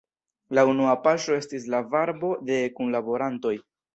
La unua paŝo estis la varbo de kunlaborantoj.